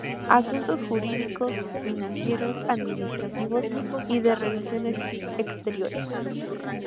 Asuntos Jurídicos, Financieros, Administrativos y de Relaciones Exteriores.